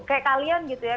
kayak kalian gitu ya